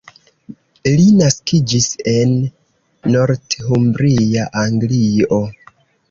Li naskiĝis en Northumbria, Anglio.